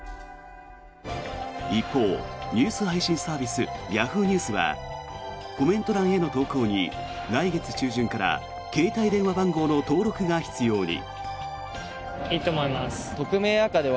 一方、ニュース配信サービスＹａｈｏｏ！ニュースはコメント欄への投稿に来月中旬から携帯電話番号の登録が必要に。